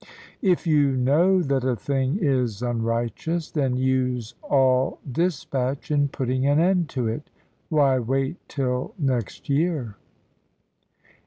If you know that the thing is unrighteous, then use all dis patch in putting an end to it. Why wait till next year?"